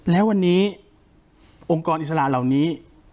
แล้ววันนี้องค์กรอิสระเหล่านี้